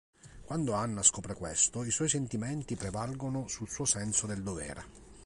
Quando Anna scopre questo, i suoi sentimenti prevalgono sul suo senso del dovere.